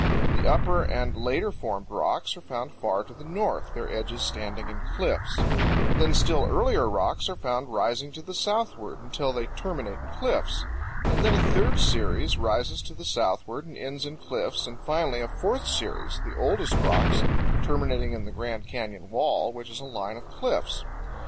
The upper and later formed rocks are found far to the north, their edges standing in cliffs; then still earlier rocks are found rising to the southward, until they terminate in cliffs; and then a third series rises to the southward and ends in cliffs, and finally a fourth series, the oldest rocks, terminating in the Grand Canyon wall, which is a line of cliffs.